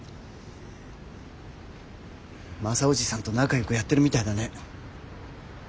マサおじさんと仲よくやってるみたいだね。